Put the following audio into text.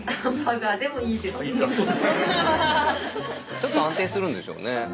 ちょっと安定するんでしょうね。